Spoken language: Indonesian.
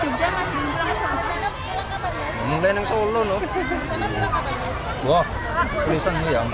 menurut gibran harusnya pada rabu ini kaesang pulang ke